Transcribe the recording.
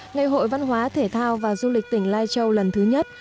ngày hội văn hóa thể thao và du lịch tỉnh lai châu lần thứ nhất